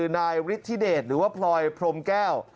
นายฤทธิเดชหรือว่าพลอยพรมแก้ว